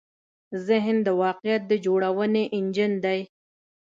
ذهن د واقعیت د جوړونې انجن دی.